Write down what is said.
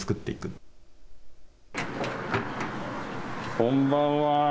こんばんは。